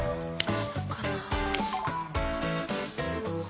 まだかなあ。